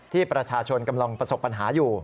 ที่ประชาชนกำลังประสบปัญหาอยู่